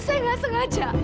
saya nggak sengaja